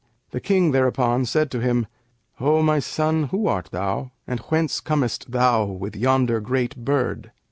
The King thereupon said to him, 'O my son, who art thou and whence comest thou with yonder great bird?'